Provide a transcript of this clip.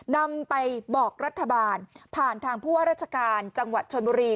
นำไปบอกรัฐบาลผ่านทางผู้ว่าราชการจังหวัดชนบุรี